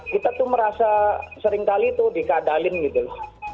kita tuh merasa seringkali tuh dikadalin gitu loh